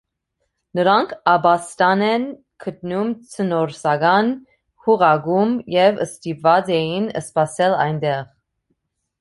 Նրանք ապաստան են գտնում ձկնորսական հյուղակում և ստիպված էին սպասել այնտեղ։